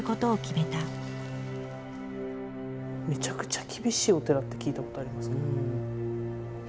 めちゃめちゃ厳しいお寺って聞いたことありますけど。